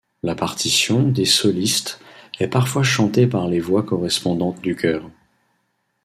La partition des solistes est parfois chantée par les voix correspondantes du chœur.